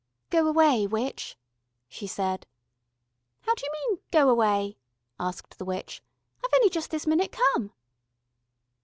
"Go away, witch," she said. "How d'you mean go away?" asked the witch. "I've only just this minute come."